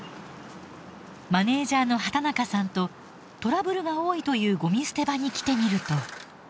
マネージャーの畠中さんとトラブルが多いというごみ捨て場に来てみると。